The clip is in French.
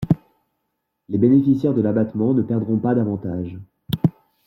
Les bénéficiaires de l’abattement ne perdront pas d’avantages.